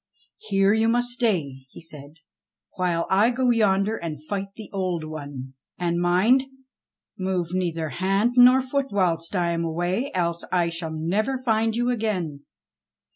"Here you must stay," he said, ''while I go yonder and fight the Old One. And mind ! move neither hand nor foot whilst I am away, else I shall never find you again.